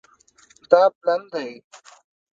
دا پلن دی